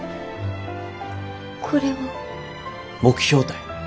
これは？目標たい。